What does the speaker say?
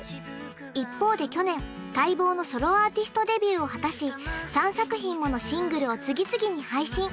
一方で去年待望のソロアーティストデビューを果たし３作品ものシングルを次々に配信